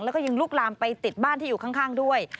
แล้วก็ยังลุกลามไปติดบ้านที่อยู่ข้างด้วย